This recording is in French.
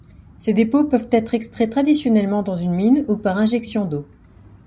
Ces dépôts peuvent être extraits traditionnellement dans une mine ou par injection d'eau.